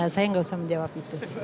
saya nggak usah menjawab itu